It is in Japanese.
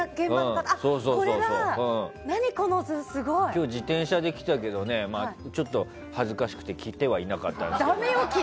今日、自転車で来たけどちょっと恥ずかしくて着てはいなかったんですけど。